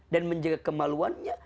dan menjaga kemaluannya